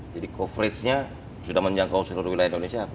jadi coveragenya sudah menjangkau seluruh wilayah indonesia